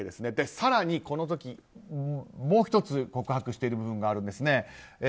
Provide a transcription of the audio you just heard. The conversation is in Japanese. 更にこの時、もう１つ告白している部分があるんですね。